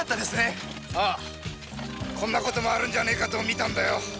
こんな事もあるんじゃねぇかと見たんだよ。